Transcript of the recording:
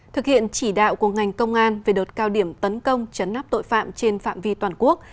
thực hiện chỉ đạo của ngành công an về đợt cao điểm tấn công chấn áp tội phạm trên phạm vi toàn quốc